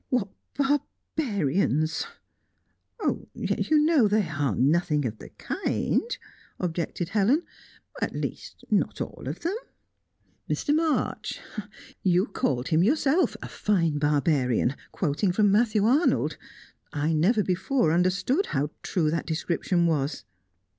"What barbarians!" "Yet you know they are nothing of the kind," objected Helen. "At least, not all of them." "Mr. March? You called him, yourself, a fine barbarian, quoting from Matthew Arnold. I never before understood how true that description was."